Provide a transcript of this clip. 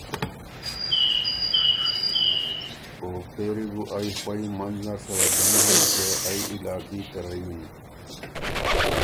او پېری بو ائ خوئ منځ نر سره جنګېن که ائ علاقي ته رئ یِن۔